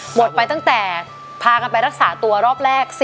หมดไปตั้งแต่พากันไปรักษาตัวรอบแรก